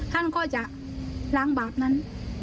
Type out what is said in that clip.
ท่านก็จะล้างบาปนั้น